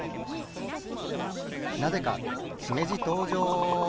なぜかしめじとうじょう！